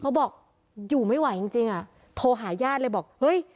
บอกอยู่ไม่ไหวจริงจริงอ่ะโทรหาญาติเลยบอกเฮ้ย